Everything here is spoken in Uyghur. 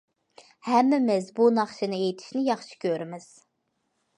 ھەممىمىز بۇ ناخشىنى ئېيتىشنى ياخشى كۆرىمىز.